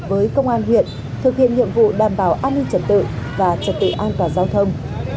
với công an huyện thực hiện nhiệm vụ đảm bảo an ninh trật tự và trật tự an toàn giao thông